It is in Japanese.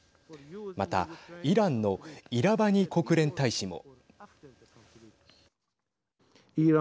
またイランのイラバニ国連大使も。